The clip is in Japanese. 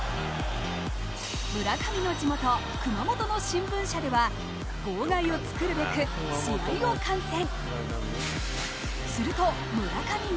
村上の地元・熊本の新聞社では号外を作るべく、試合を観戦。